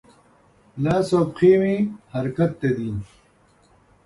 لاس او پښې مې حرکت ته دي.